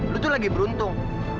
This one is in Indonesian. lu tuh lagi beruntung